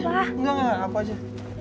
enggak gak aku aja